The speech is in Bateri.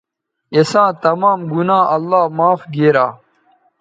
اِساں تمام گنا اللہ معاف گیرا